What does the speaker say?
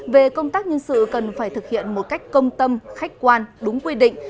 về công tác nhân sự cần phải thực hiện một cách công tâm khách quan đúng quy định